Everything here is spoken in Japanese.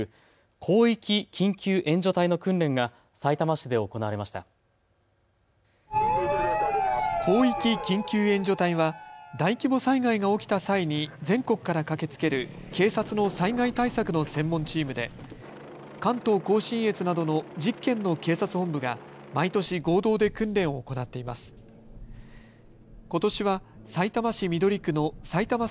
広域緊急援助隊は大規模災害が起きた際に全国から駆けつける警察の災害対策の専門チームで関東甲信越などの１０県の警察本部が毎年、合同で訓練を行っています。